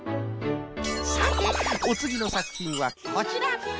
さておつぎのさくひんはこちら。